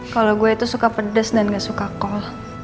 kalau gue itu suka pedes dan gak suka kol